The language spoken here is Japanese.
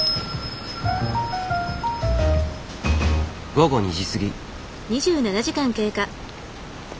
午後２時過ぎ。